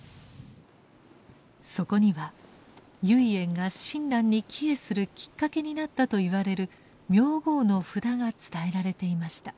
そこには唯円が親鸞に帰依するきっかけになったといわれる名号の札が伝えられていました。